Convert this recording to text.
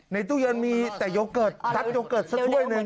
ตู้เย็นมีแต่โยเกิร์ตซัดโยเกิร์ตสักถ้วยหนึ่ง